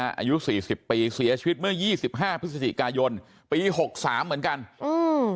อายุสี่สิบปีเสียชีวิตเมื่อยี่สิบห้าพฤศจิกายนปีหกสามเหมือนกันอืม